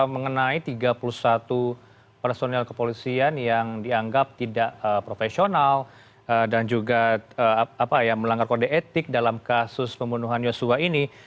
mengenai tiga puluh satu personil kepolisian yang dianggap tidak profesional dan juga melanggar kode etik dalam kasus pembunuhan yosua ini